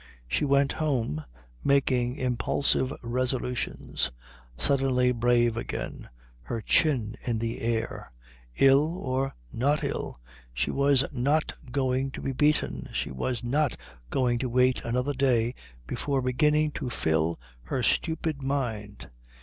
She went home making impulsive resolutions, suddenly brave again, her chin in the air. Ill or not ill she was not going to be beaten, she was not going to wait another day before beginning to fill her stupid mind.